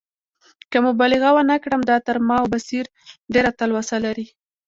که مبالغه ونه کړم، دا تر ما او بصیر ډېره تلوسه لري.